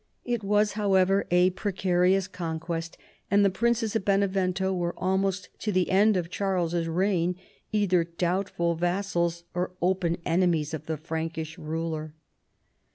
It was, however, a precarious conquest ; and the princes of Benevento were almost to the end of Charles's reign either doubtful vassals or open enemies of the Frankish ruler.